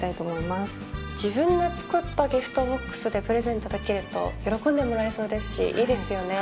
自分で作ったギフトボックスでプレゼントできると喜んでもらえそうですしいいですよね。